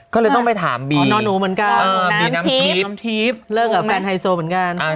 เขาเลยต้องไปถามบีน้ำทีบเริ่มกับแฟนไฮโซเหมือนกัน